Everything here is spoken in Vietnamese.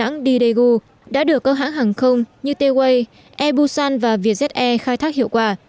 đà nẵng đi daegu đã được các hãng hàng không như t way air busan và vietjet air khai thác hiệu quả